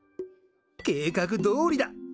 計画どおりだ。